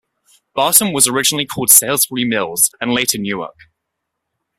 Barton was originally called Salisbury's Mills, and later Newark.